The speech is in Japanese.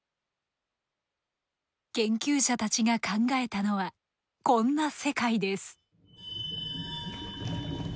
研究者たちが考えたのはこんな世界です。